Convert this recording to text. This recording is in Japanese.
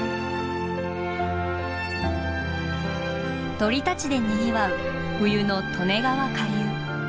鳥たちでにぎわう冬の利根川下流。